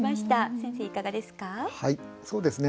先生いかがですか？